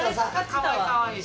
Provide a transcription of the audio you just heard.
かわいいかわいい。